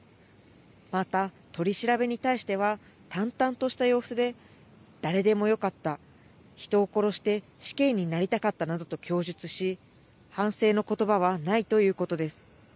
また、取り調べに対しては、淡々とした様子で、誰でもよかった、人を殺して死刑になりたかったなどと供述し、反省のことばはないということです。